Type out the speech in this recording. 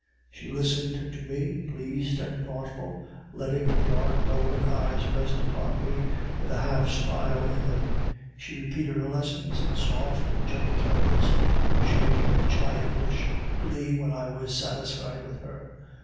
She listened to me, pleased and thoughtful, letting her dark velvet eyes rest upon me with a half smile in them; she repeated her lessons in soft and gentle tones, and showed childish glee when I was satisfied with her.